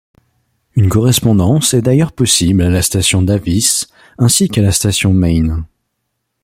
Une correspondance est d’ailleurs possible à la station Davis ainsi qu’à la station Main.